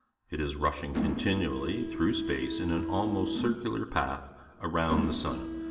It is rushing ^continually through space in an almost cir cular path around the sun.